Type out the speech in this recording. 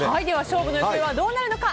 勝負の行方はどうなるのか。